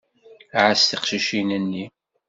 Ɛass tiqcicin-nni.